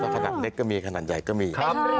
ขนาดเล็กก็มีขนาดใหญ่ก็มี